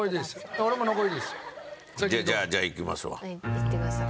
いってください。